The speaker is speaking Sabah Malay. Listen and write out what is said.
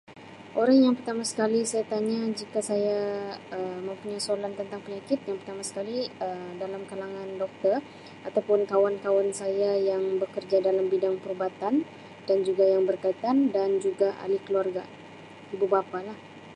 Orang yang pertama sekali saya tanya jika saya Um mempunyai soalan tentang penyakit yang pertama sekali Um dalam kalangan Doktor ataupun kawan-kawan saya yang bekerja dalam bidang perubatan dan juga yang berkaitan dan juga ahli keluarga ibu bapa lah.